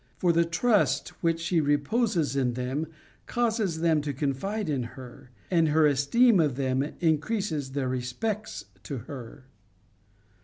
For the trust which she reposes in them causes them to confide in her, and her es teem of them increases their respects to her.